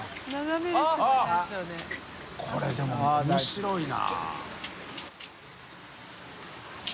海でも面白いな。